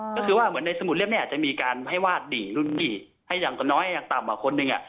ก็คือว่าเหมือนในสมุดเล่มนี้อาจจะมีการให้วาดดีรุ่นพี่ให้อย่างน้อยอย่างต่ำกว่าคนหนึ่ง